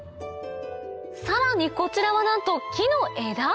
さらにこちらはなんと木の枝？